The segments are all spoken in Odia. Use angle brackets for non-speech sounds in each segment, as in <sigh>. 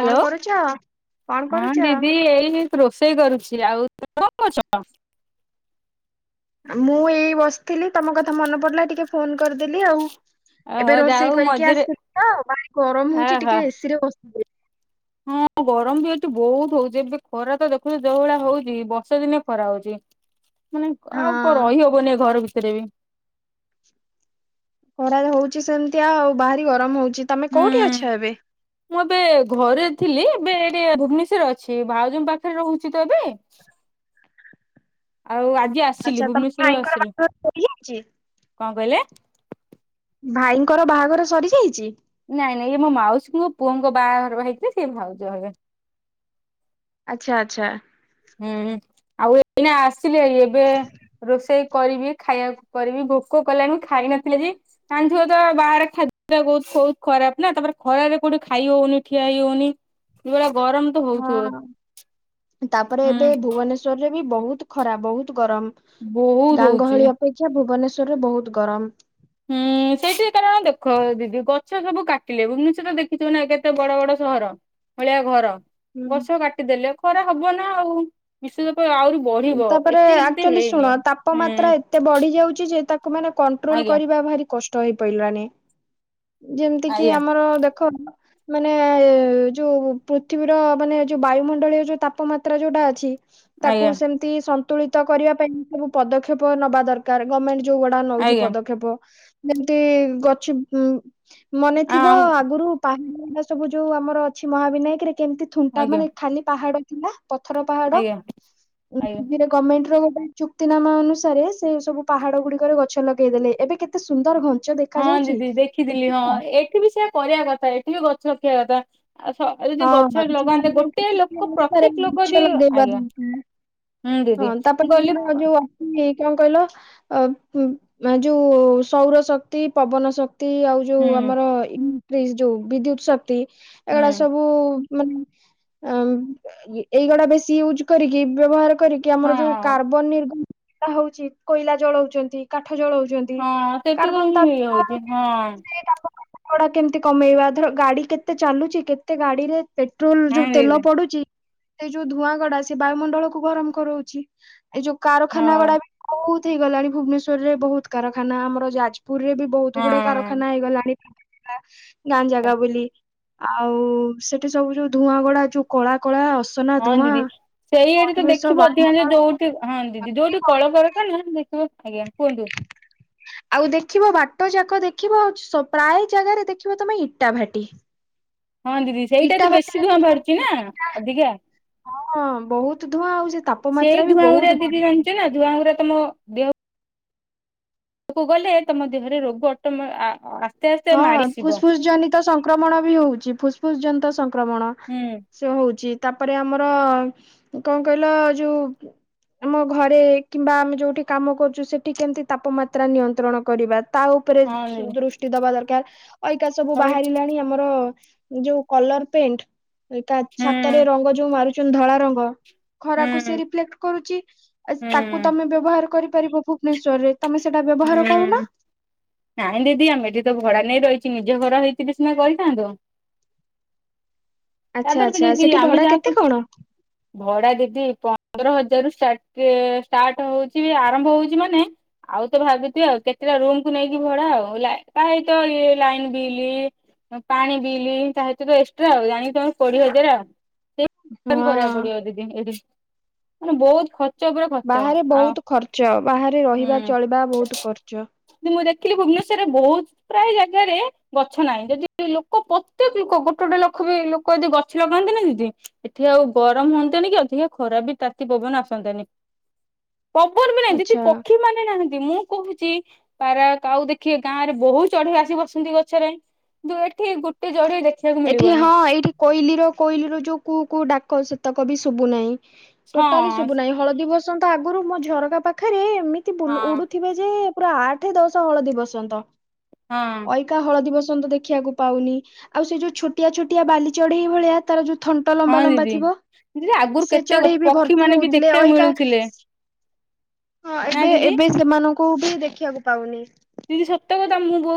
କଣ ହାଲୋ କରୁଛ? କଣ ହଁ କରୁଛ? ଦିଦି ଏଇ ହି ରୋଷେଇ କରୁଛି ଆଉ ତମେ କଣ କରୁଛ? ମୁଁ ଏଇ ବସିଥିଲି ତମ କଥା ମନେ ପଡିଲା ଟିକେ ଫୋନ କରିଦେଲି ଆଉ। ଏବେ ଓହୋ ରୋଷେଇ ଯାଉ କରିକି ମଝିରେ ଆସିଲି ତ ଭାରି ଗରମ ହୋଉଚି ଆହା ଟିକେ ଏସିରେ ବସିଥିଲି। ହଁ ଗରମ ବି ଏଠି ବୋହୁତ ହୋଉଚି ଏବେ ଖରା ତ ଦେଖୁଚୁ ଯୋଉ ଭଳିଆ ହୋଉଚି ବର୍ଷା ଦିନେ ଖରା ହୋଉଚି। ମାନେ ଆଉ ହଁ କ-ରହିହବନି ଏ ଘର ଭିତରେ ବି। ଖରା ହୋଉଚି ସେମିତି ଆଉ ବାହାରି ଗରମ ହୋଉ ହୁଁ ମୁଁ ଏବେ ଘରେ ଥିଲି। ବେ ଟିକେ ଭୁବନେଶ୍ୱରରେ ଅଛି ଭାଉଜଙ୍କ ପାଖରେ ରହୁଚି ତ ଏବେ। ଆଉ ଆଜି ଆସିଲି ଆଚ୍ଛା ତମ ଭୁବନେଶ୍ଵରରୁ ଭାଇଙ୍କର ଆସିଲି, ବାହାଘର ସରିଯାଇଛି? କଣ କହିଲେ? ଭାଇଙ୍କର ବାହାଘର ସରିଯାଇଚି? ନାଇଁ ନାଇଁ ଇଏ ମୋ ମାଉସୀଙ୍କ ପୁଅଙ୍କ ବାହାଘର ହେଇଚି ସିଏ ଭାଉଜ ହେବେ। ଆଚ୍ଛା ଆଚ୍ଛା। ହୁଁ ଆଉ ଏଇନା ଆସିଲି ଭାରି ଏବେ ରୋଷେଇ କରିବି ଖାଇବାକୁ କରିବି ଭୋକ କଲାଣି ଖାଇ ନଥିଲି ଯେ ଜାଣିଥିବ ତ ବାହାରେ ଖାଦ୍ୟ କୋଉ ବୋହୁତ ଖରାପ ନା ତାପରେ ଖରାରେ କୋଉଠି ଖାଇ ହୋଉନି ଠିଆ ହେଇ ହୋଉନି ନୋଳା ଗରମ ତ ହୋଉଥୁବ। ହଁ ତାପରେ ଏବେ ଭୁବନେଶ୍ୱରରେ ବି ବୋହୁତ ଖରା ବୋହୁତ ଗରମ ବହୁତ ଗାଁ ହଉଛି ଗହଳି ଅପେକ୍ଷା ଭୁବନେଶ୍ୱରରେ ବୋହୁତ ଗରମ। ହୁଁ ସେଇଠି କାରଣ ଦେଖ ଦିଦି ଗଛ ସବୁ କାଟିଲେ ଭୁବନେଶ୍ୱରଟା ଦେଖିଥିଚ ନା କେତେ ବଡ ବଡ ସହର ଭଳିଆ ଘର ହୁଁ ଗଛ କାଟିଦେଲେ ଖରା ହବନା ଆଉ ବିଶ୍ୱତା ତାପରେ ଆକଚୋଲି ଶୁଣ ତାପମାତ୍ରା ହୁଁ ଏତେ ବଢ଼ିଯାଉଚି ଯେ ତା କୁ ମାନେ କଣ୍ଟ୍ରୋଲ ଆଜ୍ଞା କରିବା ଭାରି କଷ୍ଟ ହେଇପଇଲାଣି। ଯେମତି କିି ଆଜ୍ଞା ଆମର ଦେଖ ମାନେ ଯୋଉ ପୃଥିବୀର ମାନେ ଯୋଉ ବାୟୁମଣ୍ଡଳୀୟ ଯୋଉ ତାପମାତ୍ରା ଯୋଉଟା ଅଛି ତାକୁ ଆଜ୍ଞା ସେମତି ସନ୍ତୁଳିତ କରିବା ପାଇଁ ସବୁ ପଦକ୍ଷେପ ନବା ଦରକାର ଗମେଣ୍ଟ୍ ଯୋଉଗୁଡ଼ା ନୋଉଚି ଆଜ୍ଞା ପଦକ୍ଷେପ ଯେମତି ଗଛ ଉଁ ମନେ ଆ ଥିବ ଆଗୁରୁ <inaudible> ସବୁ ଯୋଉ ଆମର ଅଛି ମହାବିନାୟକରେ କେମତି ଥୁଣ୍ଟା ଆଜ୍ଞା ମାନେ ଖାଲି ପାହାଡ଼ ଥିଲା ପଥର ପାହାଡ ଆଜ୍ଞା ଆଜ୍ଞା ଦିନେ ଗମେଣ୍ଟ୍ ଗମେଣ୍ଟର ଗୋଟେ ଚୁକ୍ତିନାମା ଅନୁସାରେ ସେ ସବୁ ପାହାଡ଼ ଗୁଡ଼ିକରେ ଗଛ ଲଗେଇଦେଲେ ଏବେ କେତେ ସୁନ୍ଦର ଘ ହଁ ଦିଦି ଦେଖିଥିଲି ହଁ ଏଠି ବି ସେୟା କରିବା କଥା ଏଠି ବି ଗଛ ରଖିବା କଥା। ଆଉ ସ ଏ ଯୋଉ ହଁ ଗଛ ଏଠି ଲଗାନ୍ତେ ବି ଗୋଟେ ଲୋକ ପ୍ରତ୍ୟେକ ଲୋକ ଗଛ ଯଦି ଲଗାଇବା ଆଜ୍ଞା ଦରକାର। ହୁଁ ହଁ ଦିଦି ମୁଁ ତାପରେ କହିଲି ଆମର ଯୋଉ ଅଛି କଣ କହିଲ ଅ ଯୋଉ ସୌର ଶକ୍ତି ପବନ ଶକ୍ତି କ୍ତି ଆଉ ଯୋଉ ହୁଁ ଆମର ଇି ଯୋଉ ବିଦ୍ୟୁତ ଶକ୍ତି ହୁଁ ହଉ ମାନେ ଆ ଆ ଏଇ ଗୁଡ଼ା ଇଉଜ କରିକି ବ୍ଯବହାର କ କରି କି ଆମର ଯୋଉ ହଁ। କାର୍ବନ ନିର୍ବାହ ହେଉଛି କୋଇଲା ଜଳାଉଛନ୍ତି। କା କାଠ ଜଲାଉଛନ୍ତି ହଁ ସେଠୁ ତ କାର୍ବନ ହିଁ ତା ଇଏ ତା ହଉଛି ପରେ ହଁ ସିଏ ତାପ କଣ କେମିତି କମେଇବା ଧର ଗାଡ଼ି କେତେ ଚାଲୁଛି କେତେ ଗାଡ଼ିରେ ପେଟ୍ରୋଲ ହଁ ଯୋଉ ତେଲ ଦିଦି ପଡୁଛି ସେ ଯୋଉ ଧୂଆଁ ଗଡ଼ା ସେ ବାୟୁମଣ୍ଡଳକୁୁ ଗରମ କରୋଉଛି ଏଇ ଯୋଉ କାରଖାନା ହଁ। ଗୁଡ଼ା ବି ବହୁତ ହେଇଗଲାଣି ଭୁବନେଶ୍ୱରରେ ବହୁତ କାରଖାନା ଆମର ଯାଜ ପୁରିରେ ବି ବହୁତ ଗୁଡ଼ାଏ ହଁ କାରଖାନା ହେଇଗଲାଣି ଗାଁ ଜାଗା ବୋଲି ଆଉ ହଉ ସେଠି ସବୁ ଯୋଉ ଧୂଆଁ ଗୁଡ଼ା ଯୋଉ କଳା କଳା ଅ ହଁ ଦିଦି ସେଇଆଠି ତ ଦେଖିବ ଅଧିକା ବାୟୁମଣ୍ଡଳ ଯୋଉଠି ହଁ ଦିଦି ଯୋଉଠି କଳକାରଖାନା ଦେଖିବ ଆଜ୍ଞା କୁହନ୍ତୁ। <inaudible> ଆଉ ଦେଖିବ ବାଟ ଯାକ ଦେଖିବ ଆଉ ପ୍ରାୟ ଜାଗାରେ ଦେଖିବ ତମେ ଇଟା ଭାଟି ହଁ ଦିଦି ସେଇଟା ଇଟା ତ ବେଶୀ ଭାଟିରେ ଧୁଆଁ ବାହାରୁଛି ନା ଇଟା ଅଧିକା ହଁ ବହୁତ ଧୂଆଁ ଆଉ ସେ ତାପମାତ୍ରା ବି ଧୂଆଁ ବହୁତ ଉରା ଦିଦି ବଢିଗଲାଣି। ଜାଣିଛ ନା ଧୂଆଁ ଉରା ତମ ଦେହକୁ ଦେହକୁ ଗଲେ ତମ ଦେହରେ ରୋଗ ଅଟୋମେ ଆକ ହଁ ଫୁସ୍ ଫୁସ୍ ଜନିତ ସଂକ୍ରମଣ ବି ହଉଛି ଫୁସ୍ ଫୁସ୍ ଜନିତ ସଂକ ଆକ୍ରମଣ ହୁଁ ସେ ହେଉଛି ତାପରେ ଆମର କଣ କହିଲ ଯୋଉ ଆମ ଘରେ କିମ୍ବା ଆମେ ଯୋଉଠି କାମ କରୁଛୁ ସେଠି କେମିତି ତାପମାତ୍ରା ନିୟନ୍ତ୍ରଣ କରିବା ତା ଉପରେ ହଁ ଦିଦି ଦୃଷ୍ଟି ଦବା ଦରକାର ଅଇକା ସବୁ ଆଉ ବାହାରିଲାଣି ଆମର ଯୋଉ କଲର ପେଣ୍ଟ ହୁଁ ଛାତରେ ରଙ୍ଗ ଯୋଉ ମାରୁଛନ୍ତି ଧଳା ରଙ୍ଗ ଖରାକୁ ସି ହୁଁ ରିଫ୍ଲେକ୍ଟ କରୁଛି ହୁଁ ତାକୁ ତମେ ବ୍ୟବହାର କରିପାରିବ ଭୁବନେଶ୍ୱର୍ ଚରେ ତମେ ସେଟା ବ୍ୟବହାର କରୁନା ହୁଁ। ନାଇଁ ଦିଦି ଏଠି ଆମେ ତ ଭଡ଼ା ନେଇ ରହିଛି ନିଜ ଘର ହେଇଥିଲେ ସିନା କରିଥାନ୍ତୁ ଆଚ୍ଛା ତାପରେ ବି ଆଚ୍ଛା ଦିଦି ସେଠି ଆମେ ଭଡା ଯାହା କେତେ କୁ କଣ? ଭଡ଼ା ଦିଦି ପ ପନ୍ଦର ହଜାରରୁ ଷ୍ଟାର୍ଟ ଷ୍ଟାର୍ଟ ହେଉଛି ଆରମ୍ଭ ହେଉଛି ମାନେ ଆଉ ତ ଭାବୁଥିବ ଆଉ କେତେଟା ରୁମକୁୁ ନେଇକି ଭଡ଼ା ଆଉ ଲା ତା ସହିତ ଇ ଲାଇନ ବିଲ୍ ପାଣି ବିଲ ତା ସହିତ ତ ଏକ୍ସଟ୍ରା ଆଉ ଜାଣି ତମେ କୋଡ଼ିଏ ହଜାର ଆଉ କରିବାକୁ ହଁ ପଡ଼ିବ ଦିଦି ଏଠି ମାନେ ବହୁତ ଖ ବାହାରେ ବହୁତ ଖର୍ଚ୍ଚ ବାହାରେ ରହିବା ହୁଁ ଚଳିବା ବହୁତ ଖର୍ଚ୍ଚ ମୁଁ ଦେଖିଲି ଭୁବନେଶ୍ୱରରେ ବହୁତ ପ୍ରାୟ ଜାଗାରେ ଗଛ ନାହିଁ ଯଦି ଲୋକ ପ୍ରତ୍ୟେକ ଲୋକ ଗୋଟେ ଗୋଟେ ଲୋକ ବି ଲୋକ ଯଦି ଗଛ ଲଗାନ୍ତି ନା ଦିଦି ଏଠି ଆଉ ଗରମ ହୁଅନ୍ତାନି କି ଅଧିକା ଖରା ବି ତାତି ପବନ ଆସନ୍ତା ନି। <inaudible> ପବନ ବି ନାହିଁ ଦିଦି ଆଚ୍ଛା ପକ୍ଷୀ ମାନେ ନାହାଁନ୍ତି। ମୁଁ କହୁଛି ପାରା କାଉ ଦେଖିବିେ ଗାଁ ରେ ବହୁ ଚଢିବା ଆସି ବସନ୍ତି ଗଛରେ ଦୁ ଏଠି ଗୋଟେ ଜଡେଇ ଦେଖି ଏଠି ହଁ ଏଇଠି କୋଇଲି ର କୋଇଲିର ଯୋଉ କୁ କୁ ଡାକ ସେତକ ବି ଶୁଭୁନାହିଁ ହଁ ଟୋଟାଲି ସୁବୁ ନାହିଁ ହଳଦୀ ବସନ୍ତ ଆଗରୁ ମୋ ଝରକା ପାଖରେ ଏମିତି ବୁଲୁ ହଁ ଉଡୁଥିବେ ଯେ ପୁରା ଆଠ ଦଶ ହଳଦୀ ବସନ୍ତ ହଁ ଅଇକା ହଳଦୀ ବସନ୍ତ ଦେଖିବାକୁ ପାଉନି ଆଉ ସେ ଯୋଉ ଛୋଟିଆ ଛୋଟିଆ ବାଲି ଚଢେଇଇ ଭଳିଆ ତାର ଯୋଉ ଥଣ୍ଟ ହଁ ଲମ୍ବା ଲମ୍ବା ଦିଦି ଥିବ ଦିଦି ଆଗରୁ ସେ କେତେ ଚଢେଇ ବି ପକ୍ଷୀ ଭର୍ତ୍ତି ମାନେ ବି ହଉଥିଲେ ଦେଖିବାକୁ ଅଇକା <inaudible> ମିଳୁଥିଲେ ହଁ ନା ଏବେ ଦିଦି ଏବେ ସେମାନଙ୍କୁ ବି ଦେଖିବାକୁ ପାଉନି। ବ <inaudible> <inaudible>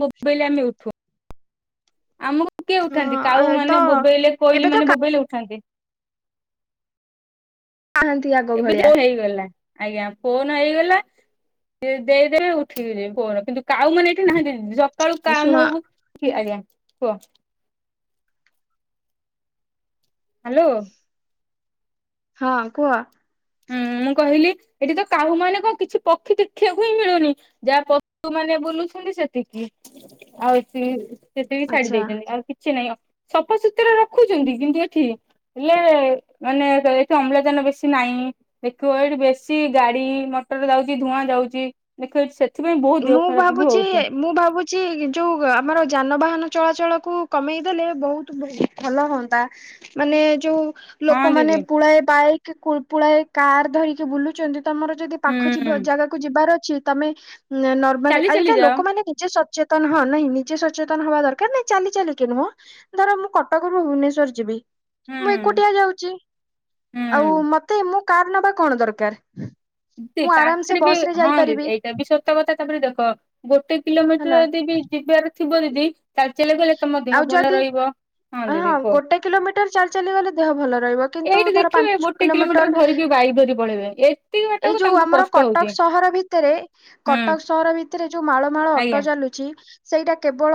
ବୋବେଇଲେ ଆମେ ଉଠୁ। ଆମକୁ କିଏ ଉଠାନ୍ତି? ହଁ କାଉ ଏ ତ ମାନେ ବୋବେଇଲେ, କୋଇଲି ଏବେ ତ ମାନେ ବୋବେଇଲେ ଉଠାନ୍ତି। କାହାନ୍ତି ଆଗ ଏବେ ଭଳିଆ ଯୋ ହେଇଗଲା। ଆଜ୍ଞା, ଫୋନ ହେଇଗଲା ସିଏ ଦେଇଦେବେ ଉଠିବେ ଫୋର କିନ୍ତୁ! କାଉ ମାନେ ଏଠି ନାହାଁନ୍ତି। ଯକାଳୁ କା ଶୁଣ ମୁହଁକୁ କି! ଆଜ୍ଞା କୁହ। ହ୍ୟାଲୋ! ହଁ କୁହ। ହୁଁ ମୁଁ କହିଲି, ଏଠି ତ କାଉଁ ମାନେ କଣ କିଛି ପକ୍ଷୀ ଦେଖିବାକୁ ହିଁ ମିଳୁନି? ଯାହା ପଶୁ ମାନେ ବୁଲୁଚ ସେତିକି ଆଉ ଏତି ସେତିକି ଛାଡି ଆଚ୍ଛା। ଦେଇଛନ୍ତି, ଆଉ କିଛି ନାଇଁ। ସଫାସୁତୁରା ରଖୁଛନ୍ତି। କିନ୍ତୁ ଏଠି ହେଲେ, ମାନେ ଏଠି ଅମ୍ଳଜାନ ବେଶୀ ନାଇଁ। ଦେଖ ଏଇଠି ବେଶୀ ଗାଡି, ମଟର ଯାଉଛି, ଧୂଆଁ ଯାଉଛି। ଦେଖ ଏଠି ସେ ମୁଁ ଭାବୁଛି! ମୁଁ ଭାବୁଛି! ଯୋଉ ଆମର ଯାନବାହା ନ ଚଳାଚଳ କୁ କମେଇ ଦେଲେ ବହୁତ ଭଲ ହଅନ୍ତା ମାନେ ଯୋଉ ହଁ ଲୋକମାନେ ଦିଦି ପୁଳାଏ ବାଇକ୍, ପୁଳାଏ କାର ଧରିକି ବୁଲୁଛନ୍ତି। ତମର ଯଦି ପାଖ ଯିବା ହୁଁ ଜାଗାକୁ ଯିବାର ଅଛି। ତମେ ନର୍ମାଲି ଚାଲି ଚାଲି ଏଇଟା ଯାଅ ଲୋକମାନେ ନିଜସା ସଚେତନ ହଁ ନାଇଁ ନିଜେ ସଚେତନ ହବା ଦରକାର। ନାଇଁ ଚାଲି ଚାଲିକି ନୁହଁ ଧର ମୁଁ କଟକରୁ ଭୁବନେଶ୍ୱଵର ଯିବି! ମୁଁ ହୁଁ ଏକୁଟିଆ ଯାଉଛି। ଆଉ ହୁଁ ମତେ ମୁଁ କାର ନବା କଣ ଦରକାର? ଦି ମୁଁ ଆରାମ ସେ ପାଖରେ ବି ବସ ରେ ହଁ, ଯାଇପାରିବି ଦିଦି ଏଇଟା ବି ସତ୍ କଥା ତାପରେ ଦେଖ ଗୋଟେ ହେଲା କିଲୋମିଟର ଯଦି ବି ଯିବାର ଥିବ, ଦିଦି ତା ଚାଲ୍ ଚାଲି ଗଲେ ତମ ଆଉ ଦେହ ଭଲ ଯଦି ରହିବ। ହଁ, ଦିଦି କୁହ ଗୋଟେ କିଲୋମିଟର ଚାଲି ଚାଲି ଗଲେ ଦେହ ଭଲ ରହିବ। କିନ୍ତୁ, ଧର ପାଞ୍ଚ କିଲୋମିଟର ପାଇପ୍ ଧରି ପଳେଇବେ। ଏଇ ଏଇ ଯୋଉ ଆମର କଟକ ସହର ଭିତରେ, ହୁଁ କଟକ ସହର ଭିତ୍ ଯୋଉ ମାଳ ମାଳ ଅଟୋ ଆଜ୍ଞା ଚାଲୁଛି। ସେଇଟା କେବଳ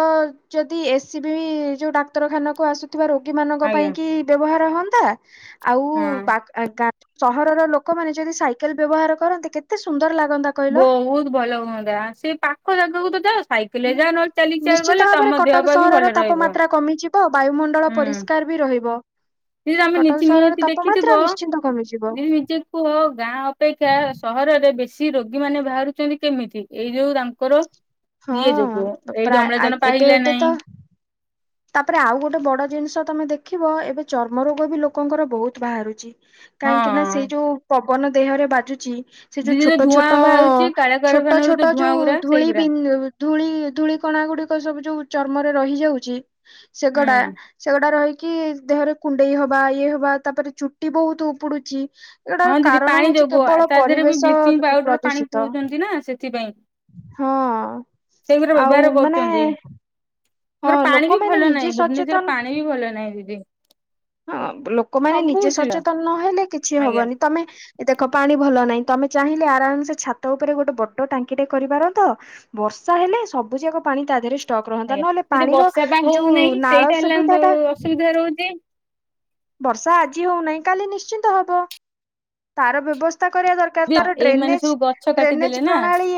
ଯଦି ଏ ସି ବିି ଯୋଉ ଡାକ୍ତରଖାନାକୁ ଆସୁ ଥିବା ରୋଗୀ ମାନଙ୍କ ଆଜ୍ଞା ପାଇଁ କି, ବ୍ୟବହାର ହଅନ୍ତା। ଆଉ ହଁ। ବାକ୍ ଗାଁ ସହରର ଲୋକମାନେ ଯଦି ସାଇକେଲ ବ୍ୟବହାର କରନ୍ତି। କେତେ ସୁନ୍ଦର ଲାଗ ବହୁତ ଭଲ ହୁଅନ୍ତା! ସେ ପାଖ ଜାଗାକୁ ତ ଯା ସାଇକ କହିଲେ ହୁଁ ଯା ନହେଲେ ଚାଲିକି ଚାଲ, ନିଶ୍ଚିତ ବଇଲେ ଭାବରେ ତମ ଦେହ କଟକ ପା ବି ସହରର ଭଲ ରହିବ। ତାପମାତ୍ରା କମିଯିବ ବାୟୁମଣ୍ଡଳ ହୁଁ, ପରିଷ୍କାର ବି ରହିବ। ଦିଦି ତମେ କଟକ ନିଜେ ସହରର ନିହାତି ତାପମାତ୍ରା ଦେଖିଥିବ, ନିଶ୍ଚିନ୍ତ କମିଯିବ ଯିଦି ନିଜେ କୁହ ଗାଁ ଅପେକ୍ଷା ସହ ଘରରେ ବେଶୀ ରୋଗୀ ମାନେ ବାହାରୁଛନ୍ତି କେମିତି? ଏଇ ଯୋଉ ତାଙ୍କର ଇଏ ଯୋଗୁ ହଁ ଏଇଠି ପ୍ରାୟ ଆଜ୍ ଅମ୍ଳଜାନ ଏବେ ପାଇଲା ଏବେ ନାହିଁ ତ ତାପରେ ଆଉ ଗୋଟେ ବଡ ଜିନିଷ ତମେ ଦେଖିବ, ଏବେ ଚର୍ମ ରୋଗ ବି ଲୋକଙ୍କର ବହୁତ ବାହାରୁଛି। କାହିଁକି ନା ସେଇ ହଁ ଯୋଉ ପବନ ଦେହରେ ବାଜୁଛି! ସେ ଯୋଉ ଦିଦି ଛୋଟ ଧୂଆଁ ଛୋଟ-ଅ ବାହାରୁଛି ଛୋଟ କାଳକାରଖାନାରୁ ଛୋଟ ଧୂଆଁ ଯୋଉ ଗୁରା ଧୂଳି ସେଇଗୁରା ବିନ୍ ଧୂଳି ଧୂଳିକ ଣା ଗୁଡିକ ସବୁ ଯୋଉ ଚର୍ମରେ ରହି ଯାଉଛି ହୁଁ ସେଗଡା ସେଗୁଡା ରହି କି ଦେହରେ କୁଣ୍ଡେଇ ହବା, ଇଏ ହବା, ତାପରେ ଚୁଟି ବହୁତ ଉପୁଡୁଚି। ହଁ ଦିଦି ପାଣି ଯୋଗୁଁ, ତା ଦେହରେ ବି ପରିବେଶ ବ୍ଲିଚିଂ ପାଉଡର ପାଣି ପ୍ରଦୂଷିତ ପିଉଛନ୍ତି ନା ସେଥିପାଇଁ। ହଁ। ସେଗୁରା ଆଉ ବ୍ୟବହାର ମାନେ କରୁଛନ୍ତି। ହଁ ଆମର ପାଣି ବି ଲୋକମାନେ ଭଲ ନିଜେ ନାହିଁ, ଭୁବନେଶ୍ବରରେ ସଚେତନ ପାଣି ବି ଭଲ ନାହିଁ ଦିଦି। ହଁ ଲୋକମାନେ ସବୁ ନିଜେ କିଛିଟା ସଚେତନ ନହେଲେ କିଛି ଆଜ୍ଞା ହବନି। ତମେ ଦେଖ ପାଣି ଭଲ ନାହିଁ ତମେ ଚାହିଁଲେ ଆରାମ ସେ ଛାତ ଉପରେ ଗୋଟେ ବଡ ଟାଙ୍କିଟେ କରିପାରନ୍ତ, ବର୍ଷା ହେଲେ ସବୁ ଯାକ ପା ପାଣି ତା ଦେହରେ ଷ୍ଟକ୍ ରହନ୍ତା। ଆଜ୍ଞା ନହେଲେ ଯଦି ପାଣିର ବର୍ଷା ଟା ଯୋଉ ହଉନାହିଁ ନାଳ ସେଇଟା ହେଲା ବ ସୁବିଧାଟା ଅସୁବିଧା ରହୁଛି। ବର୍ଷା ଆଜି ହଉନାହିଁ କାଲି ନିଶ୍ଚିନ୍ତ ହବ। ତାର ବ୍ୟବସ୍ ସ୍ତା କରିବା ଦରକାର। ତାର ଏଇ ମାନେ ଡ୍ରେନେଜ୍ ସବୁ ଗଛ ଡ୍ରେନେଜ୍ କାଟିଦେଲେ ନା ପ୍ରଣାଳୀ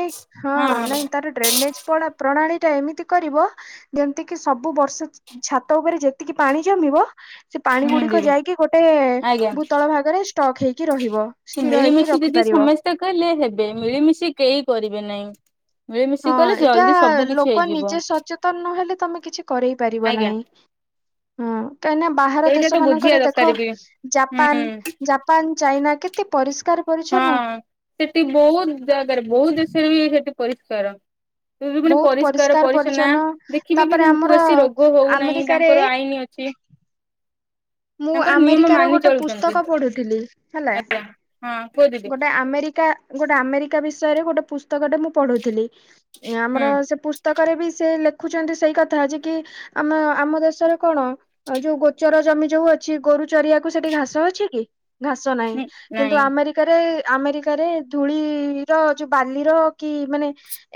ହଁ, ନାଇଁ ତାର ଡ୍ରେନେଜ ପ- ପ୍ରଣାଳୀ। ଟା ଏମିତି କରିବ, ଯେମିତିକିି ସବୁ ବର୍ଷ ଛାତ ଉପରେ ଯେତିକି ପାଣି ଜମିବ! ସେ ପାଣି ହୁଁ ଗୁଡିକ ଦିଦି ଯାଇକି ଗୋଟେ ଆଜ୍ଞା ଭୂତଳ ଭାଗରେ ଷ୍ଟକ୍ ହେଇକି ରହିବ ସେ ସ୍ଥିର ମିଳି ହେଇକି ମିଶି ଯଦି ରଖିପାରିବ ସମସ୍ତେ କଲେ ହେବେ ମିଳିମିଶି କେହି କରିବେ ନାହିଁ। ମିଳିମିଶି ହଁ କଲେ ଏଇଟା ଜଲ୍ଦି ସବୁ କିଛି ଲୋକ ହେଇଯିବ। ନିଜେ ସଚେତନ ନହେଲେ। ତମେ କିଛି କରେଇ ପାରିବ ଆଜ୍ଞା ନାହିଁ ହୁଁ। କାଇଁନା ବାହାର ସେଇଟା ତ ଦେଶ ବୁଝିବା ମାନଙ୍କରେ ଦରକାର ଦେଖ ବି ହୁଁ ହଁ। ଜାପାନ ଜାପାନ ଚାଇନା କେତେ ପରିଷ୍କାର। ହଁ ପରିଚ୍ଛନ୍ନ ସେଠି ବହୁତ ଜାଗାରେ ବହୁତ ଦେଶରେ ବି ସେଠି ପରିଷ୍କାର। ଏବେ କଇଲେ ବହୁତ ପରିଷ୍କାର ପରିଚ୍ଛନା ପରିଚ୍ଛନ୍ନ ଦେଖି ଦେଖି ତାପରେ ଆମର ତାଙ୍କୁ ବେଶୀ ରୋଗ ହଉନାହିଁ ଆମେରିକାରେ ତାଙ୍କର ଆଇନ ଅଛି। ମୁଁ ତାଙ୍କର ନିୟମ ଆମେରିକର ମାନି ଗୋଟେ ଚଳୁଛନ୍ତି। ପୁସ୍ତକ ପଢୁଥିଲି ହେଲା। ହଁ କୁହ ଦିଦି। ଗୋଟେ ଆମେରିକା ଗୋଟେ ଆମେରିକା ବିଷୟରେ ଗୋଟେ ପୁସ୍ତକଟେ ମୁଁ ପଢୁଥିଲି ଆମର ହୁଁ ସେ ପୁସ୍ତକରେବି ସେ ଲେଖୁଛନ୍ତି ସେଇ କଥାଯେକି ଆମ ଆମ ଦେଶରେ କଣ ଯୋଉ ଗୋଚର ଜମି ଯୋଉ ଅଛି, ଗୋରୁ ଚରିଆକୁ ସେଠି ଘାସ ଅଛିକି ଘାସ ନାହିଁ ହୁଁ କିନ୍ତୁ ନାଇଁ ଆମେରିକାରେ ଆମେରିକାରେ ଧୂଳିର ଯୋଉ ବାଲିର କି ମାନେ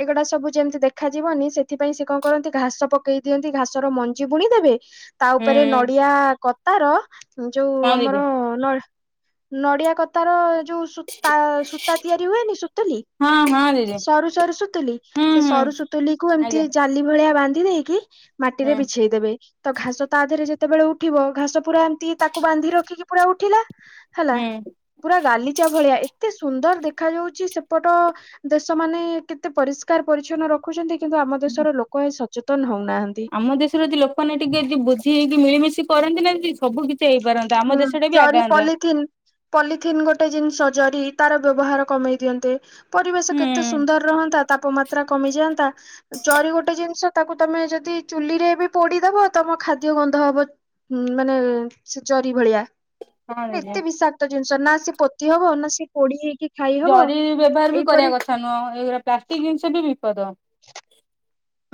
ଏଗୁଡା ସବୁ ଯେମିତି ଦେଖାଯିବ ସେଥିପାଇଁ ସେ କଣ କରନ୍ତି ଘାସ ପକେଇ ଦିଅନ୍ତି ଘାସର ମଞ୍ଜି ବୁଣି ଦେବେ ତାଉପରେ ହୁଁ ନଡିଆ କତାର ଯୋଉ ହଁ ଦିଦି ଆମର ନ ନଡିଆ କତାର ଯୋଉତା ସୂତା ତିଆରି ହୁଏନି, ସୁତଲି ହଁ ହଁ ଦିଦି ସରୁ ସରୁ ସୁତୁଲି ହୁଁ ହୁଁ ସେସରୁ ସୁତୁଲିକୁ ଏମିତି ଆଜ୍ଞା ଜାଲି ଭଳିଆ ବାନ୍ଧି ଦେଇକି ହୁଁ ମାଟିରେ ବିଛେଇ ଦେବେ ତଘାସ ତାଦେହରେ ଯେତେବେଳେ ଉଠିବ ଘାସ ପୁରା ଏମିତି ତାକୁ ବାନ୍ଧି ରଖିକି, ପୁରା ଉଠିଲା ହେଲା ହୁଁ। ପୁରା ଗାଲିଚା ଭଳିଆ କେତେ ସୁନ୍ଦର ଦେଖା ଯାଉଛି, ସେପଟ ଦେଶ ମାନେ କେତେ ପରିଷ୍କାର ପରିଚ୍ଛନ୍ନ ରଖୁଛନ୍ତି କିନ୍ତୁ ଆମ ଦେଶର ଲୋକଏ ସଚେତନ ହଉନ ଆମ ଦେଶରେ ଯଦି ଲୋକମାନେ ଟିକେ ବୁଝି ହେଇକି ମିଳିମିଶି କରନ୍ତିନା ହୁଁ ଜରି ପଲିଥିନ ପଲିଥିନ୍ ଗୋଟେ ଜିନିଷ ସଜାର ତାର ବ୍ୟବହାର କମେଇ ଦିଅନ୍ତେ ପରିବେଶ ହୁଁ କେତେ ସୁନ୍ଦର ରହନ୍ତା ତାପମାତ୍ରା କମିଯାଆନ୍ତା ଚରି ଗୋଟେ ଜିନିଷ ତାକୁ ତମେ ଯଦି ଚୁଲିରେବି ପୋଡିଦବ ତମ ଖାଦ୍ୟ ଗନ୍ଧ ହବ ହୁଁ ମାନେ ସେ ଜରି ଭଳିଆ ହଁ ଦିଦି ଏତେ ବିଷାକ୍ତ ଜିନିଷନା ସେ ପୋତିହବ ନାସେ କୋଡି ହେଇକି ଖାଇ ହବ ଜରି ବ୍ୟବହାର ବି ଏଇପରି କରିବା କଥା ନୁହଁ, ଏଇଗା ପ୍ଲାଷ୍ଟିକ ଜିନିଷବି ବିପଦ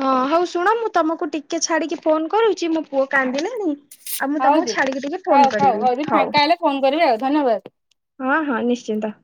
ହଁ ହଉ ଶୁଣ ମୁଁ ତମକୁ ଟିକେ ଛାଡିକି ଫୋନ କରୁଛି, ମୋ ପୁଅ କାନ୍ଦିଲାଣିି ଆଉ ମୁଁ ହଉ ତମକୁ ଦିଦି ଛାଡିକି ଟିକେ ହଉ ଫୋନ ହଉ କରିବି ଦିଦି ହଉ। ଫାଙ୍କା ହେଲେ ଫୋନ କରିବେ ଆଉ ଧନ୍ୟବାଦ। ହଁ ହଁ ନିଶ୍ଚିନ୍ତ।